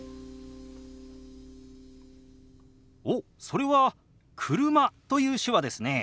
おっそれは「車」という手話ですね。